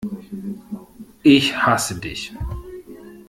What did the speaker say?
Ich hasse Dich!